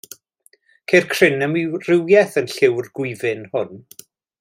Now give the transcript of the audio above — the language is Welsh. Ceir cryn amrywiaeth yn lliw'r gwyfyn hwn.